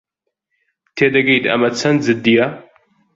تێدەگەیت ئەمە چەند جددییە؟